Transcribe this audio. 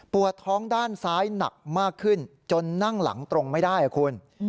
ท้องด้านซ้ายหนักมากขึ้นจนนั่งหลังตรงไม่ได้คุณ